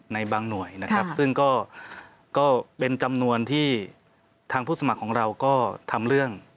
ในบางหน่วยนะครับซึ่งก็เป็นจำนวนที่ทางผู้สมัครของเราก็ทำเรื่อง